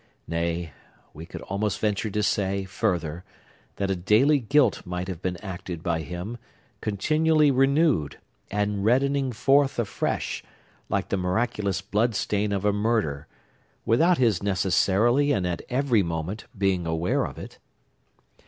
Nay, we could almost venture to say, further, that a daily guilt might have been acted by him, continually renewed, and reddening forth afresh, like the miraculous blood stain of a murder, without his necessarily and at every moment being aware of it.